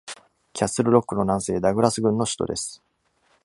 キャッスルロックの南西、ダグラス郡の首都です。